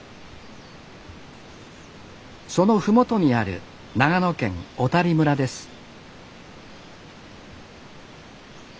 その麓にある長野県小谷村です